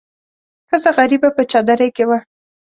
ښځه غریبه په چادرۍ کې وه.